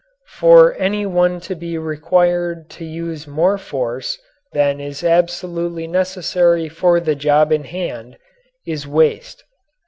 For any one to be required to use more force than is absolutely necessary for the job in hand is waste.